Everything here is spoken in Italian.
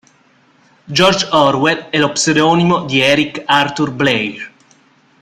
George Orwell è lo pseudonimo di Eric Arthur Blair.